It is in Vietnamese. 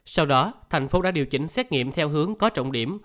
sau đó thành phố đã điều chỉnh xét nghiệm theo hướng có trọng điểm